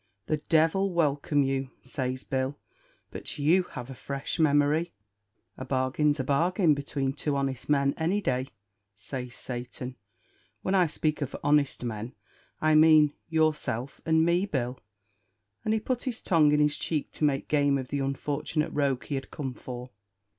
"The devil welcome you!" says Bill; "but you have a fresh memory." "A bargain's a bargain between two honest men, any day," says Satan; "when I speak of honest men, I mean yourself and me, Bill;" and he put his tongue in his cheek to make game of the unfortunate rogue he had come for.